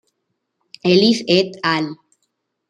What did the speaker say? Ellis et al.